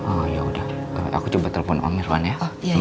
oh ya udah aku coba telepon om irwan ya